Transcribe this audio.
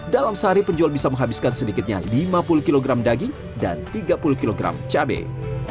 dalam sehari penjual bisa menghabiskan sedikitnya lima puluh kg daging dan tiga puluh kg cabai